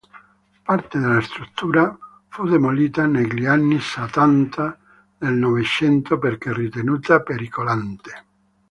Parte della struttura fu demolita negli anni Settanta del Novecento perché ritenuta pericolante.